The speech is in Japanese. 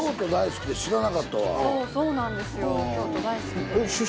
そうなんですよ京都大好きで。